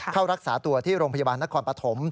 เข้ารักษาตัวที่โรงพยาบาลนครปฐม